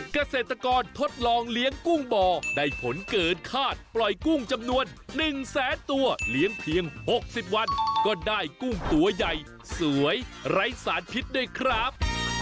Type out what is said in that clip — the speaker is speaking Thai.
เกษตรกรทดลองเลี้ยงกุ้งบ่อได้ผลเกินคาดปล่อยกุ้งจำนวน๑แสนตัวเลี้ยงเพียง๖๐วันก็ได้กุ้งตัวใหญ่สวยไร้สารพิษด้วยครับ